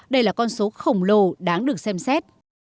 đây là con số khổng lồ đáng được xem xét